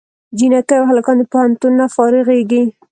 جینکۍ او هلکان د پوهنتون نه فارغېږي